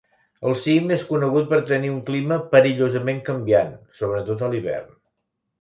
El cim és conegut per tenir un clima perillosament canviant, sobretot a l'hivern.